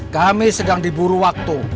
kami sedang diburu waktu